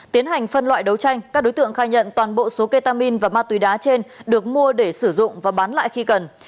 tiến hành phân loại đấu tranh các đối tượng khai nhận toàn bộ số ketamin và ma túy đá trên được mua để sử dụng và bán lại khi cần